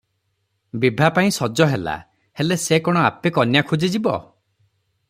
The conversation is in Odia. ବିଭାପାଇଁ ସଜ ହେଲା, ହେଲେ ସେ କଣ ଆପେ କନ୍ୟା ଖୋଜି ଯିବ?